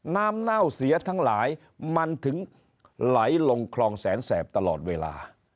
เน่าเสียทั้งหลายมันถึงไหลลงคลองแสนแสบตลอดเวลา